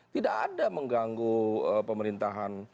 tidak ada mengganggu pemerintahan